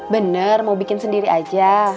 bener mau bikin sendiri aja